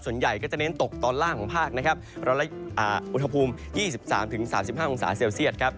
ส่วนใหญ่ก็จะเน้นตกตอนล่างของภาคนะครับอุณหภูมิ๒๓๓๕องศาเซลเซียตครับ